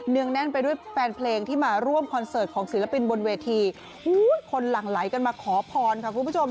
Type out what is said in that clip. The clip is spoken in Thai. งแน่นไปด้วยแฟนเพลงที่มาร่วมคอนเสิร์ตของศิลปินบนเวทีคนหลั่งไหลกันมาขอพรค่ะคุณผู้ชม